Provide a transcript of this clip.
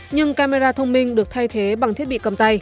nhưng camera thông minh được thay thế bằng thiết bị cầm tay